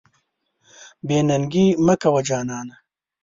بې ننګي مه کوه جانانه.